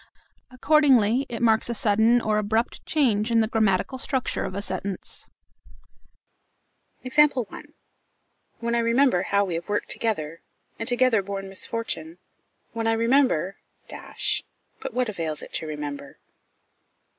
Accordingly, it marks a sudden, or abrupt, change in the grammatical structure of a sentence. When I remember how we have worked together, and together borne misfortune; when I remember but what avails it to remember?